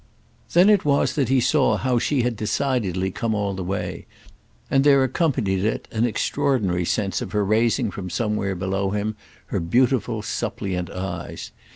Then it was that he saw how she had decidedly come all the way; and there accompanied it an extraordinary sense of her raising from somewhere below him her beautiful suppliant eyes.